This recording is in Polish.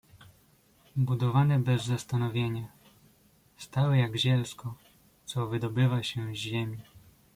"Budowane bez zastanowienia, stały jak zielsko, co wydobywa się z ziemi."